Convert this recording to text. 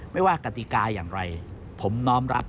ไม่ว่ากติกาอย่างไรผมน้อมรับ